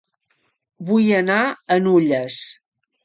Vull anar a Nulles